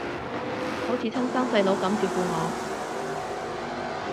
好似親生細佬噉照顧我